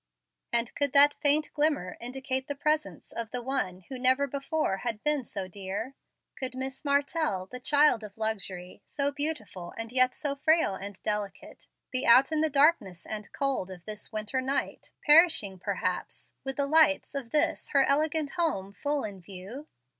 And could that faint glimmer indicate the presence of the one who never before had been so dear? Could Miss Martell, the child of luxury, so beautiful and yet so frail and delicate, be out in the darkness and cold of this winter night, perishing perhaps, with the lights of this her elegant home full in view?